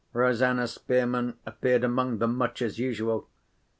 Rosanna Spearman appeared among them, much as usual.